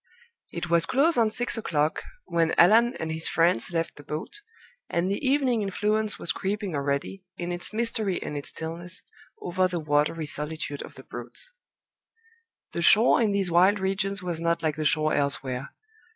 It was close on six o'clock when Allan and his friends left the boat, and the evening influence was creeping already, in its mystery and its stillness, over the watery solitude of the Broads. The shore in these wild regions was not like the shore elsewhere.